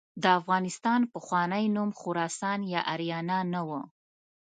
د افغانستان پخوانی نوم خراسان یا آریانا نه و.